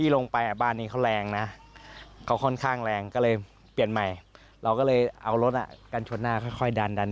เราก็เลยเอารถกันชวนหน้าค่อยดันดัน